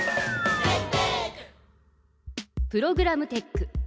プログラムテック。